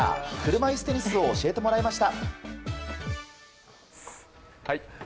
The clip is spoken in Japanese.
車いすテニスを教えてもらいました。